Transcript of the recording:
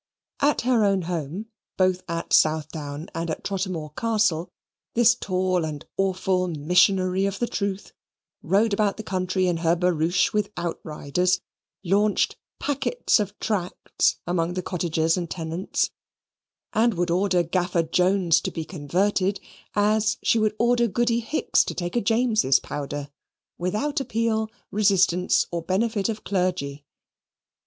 At her own home, both at Southdown and at Trottermore Castle, this tall and awful missionary of the truth rode about the country in her barouche with outriders, launched packets of tracts among the cottagers and tenants, and would order Gaffer Jones to be converted, as she would order Goody Hicks to take a James's powder, without appeal, resistance, or benefit of clergy.